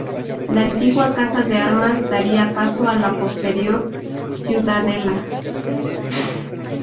La antigua Casa de Armas daría paso a la posterior Ciudadela.